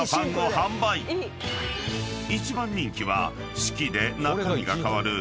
［一番人気は四季で中身が変わる］